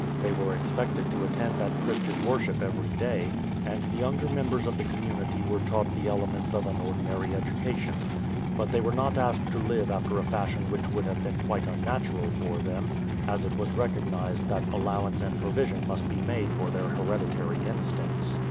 They were expected to attend at Christian worship every day, and the younger members of the community were taught the elements of an ordinary education ; but they were not asked to live after a fashion which would have been quite unnatural for them, as it was recognized that allowance and provision must be made for their hereditary instincts.